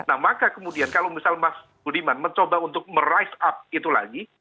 nah maka kemudian kalau misal mas budiman mencoba untuk merise up itu lagi